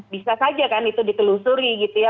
bisa saja kan itu ditelusuri gitu ya